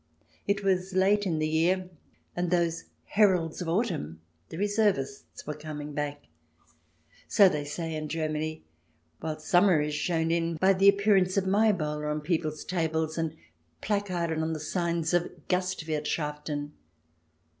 It was late in the year, and those heralds of autumn, the reservists, were coming back. So they say in Germany, while summer is shown in by the appear ance of Mai Bowie on people's tables and placarded in the signs of Gastwirthschaften.